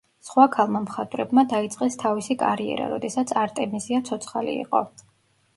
სხვა ქალმა მხატვრებმა დაიწყეს თავისი კარიერა, როდესაც არტემიზია ცოცხალი იყო.